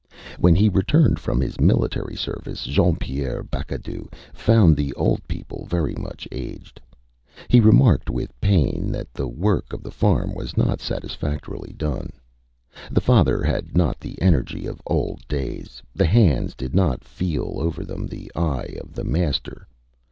When he returned from his military service Jean Pierre Bacadou found the old people very much aged. He remarked with pain that the work of the farm was not satisfactorily done. The father had not the energy of old days. The hands did not feel over them the eye of the master.